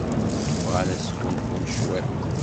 Bɣan ad sgunfun cwiṭ.